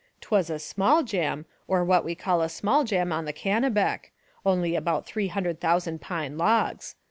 'Twas a small jam, or what we call a small jam on the Kennebec, only about three hundred thousand pine logs.